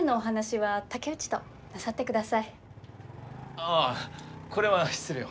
ああこれは失礼を。